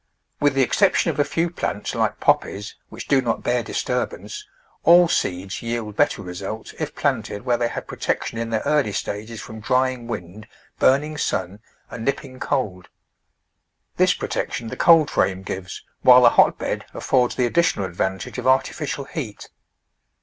With the exception of a few plants like Poppies, which do not bear disturbance, all seeds yield better results if planted where they have protection in their early stages from drying wind, burning sun and nip ping cold. This protection the cold frame gives, while the hotbed affords the additional advantage of artifi cial heat.